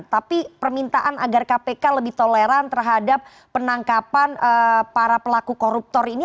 tapi permintaan agar kpk lebih toleran terhadap penangkapan para pelaku koruptor ini